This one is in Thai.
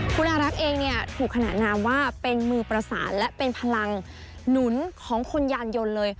คุณอารักษ์เองเนี่ยถูกขนานนามว่าเป็นมือประสานและเป็นพลังหนุนของคนยานยนต์เลย